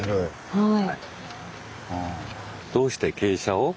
はい。